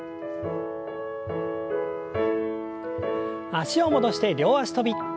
脚を戻して両脚跳び。